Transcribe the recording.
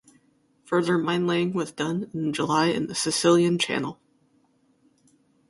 Further minelaying was done in July in the Sicilian Channel.